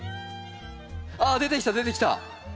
あっ出てきた出てきた。